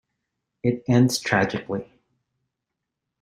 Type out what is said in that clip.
It ends tragically.